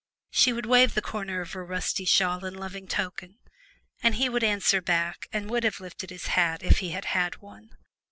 She would wave the corner of her rusty shawl in loving token, and he would answer back and would have lifted his hat if he had had one.